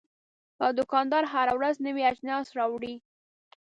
دا دوکاندار هره ورځ نوي اجناس راوړي.